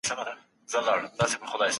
تاسي باید خپله ژبه په ټوله نړۍ کي مشهوره کړئ